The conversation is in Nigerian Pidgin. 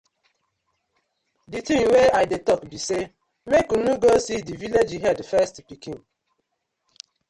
Di tin wey I dey tok bi say mek unu go see di villag head first pikin.